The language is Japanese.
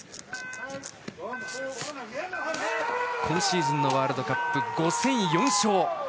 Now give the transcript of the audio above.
今シーズンのワールドカップ５戦４勝。